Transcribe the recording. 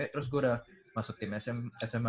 terus gue udah masuk tim sma